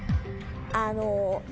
あの。